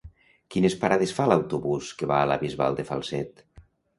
Quines parades fa l'autobús que va a la Bisbal de Falset?